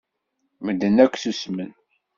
Medden akk ssusmen.